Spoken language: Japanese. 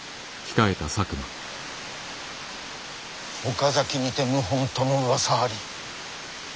岡崎にて謀反とのうわさあり。